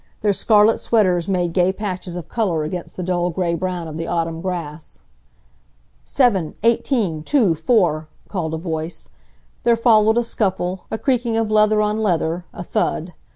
Their scarlet sweaters made gay patches of color against the dull gray brown of the autumn grass. "Seven eighteen two four!" called a voice. There followed a scuffle, a creaking of leather on leather, a thud.